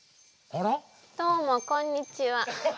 どうもこんにちは。